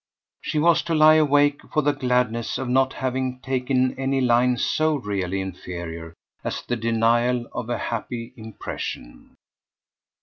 She was to lie awake for the gladness of not having taken any line so really inferior as the denial of a happy impression.